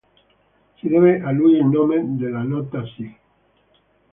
Si deve a lui il nome della nota si.